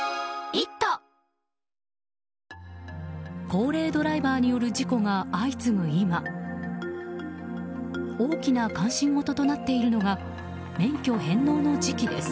高齢ドライバーによる事故が相次ぐ今大きな関心ごととなっているのが免許返納の時期です。